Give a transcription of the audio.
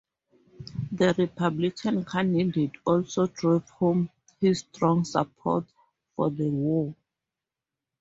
The Republican candidate also drove home his strong support for the war.